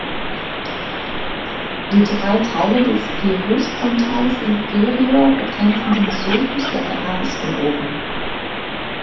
Die drei Teile des Gyrus frontalis inferior begrenzen den Sulcus lateralis von oben.